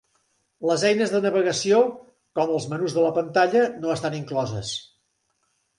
Les eines de navegació, com els menús a la pantalla, no estan incloses.